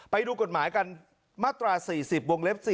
ไปดูกฎหมายกันมาตรา๔๐วงเล็บ๔